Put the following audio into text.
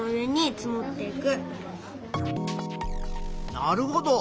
なるほど。